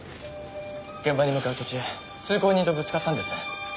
現場に向かう途中通行人とぶつかったんです。